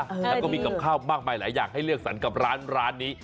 แล้วก็มีกับข้าวมากมายหลายอย่างให้เลือกสรรกับร้านนี้